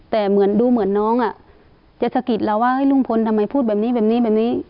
แต่เหมือนดูเหมือนน้องจะสะกิดเราว่าลุงพลทำไมพูดแบบนี้แบบนี้แบบนี้